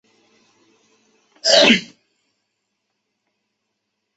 道德虚无主义的表达形式之一是表现主义。